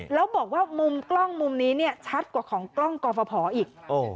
แล้วบอกว่ามุมกล้องมุมนี้เนี่ยชัดกว่าของกล้องกรฟภอีก